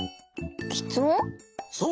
そう！